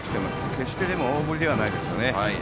決して大振りではないですね。